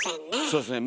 そうですね